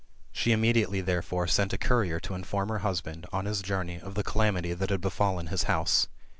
She immediately, therefore, sent a courier to inform her husband, on his journey, of the calamity that had befallen his house.